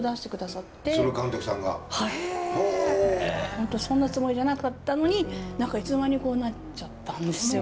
本当そんなつもりじゃなかったのに何かいつの間にこうなっちゃったんですよ。